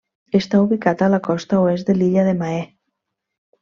Està ubicat a la costa oest de l'illa de Mahé.